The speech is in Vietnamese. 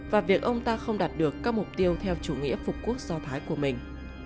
và việc ông ta không đạt được các mục tiêu theo chủ nghĩa phục quốc do thái của mình